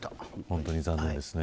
本当に残念ですね。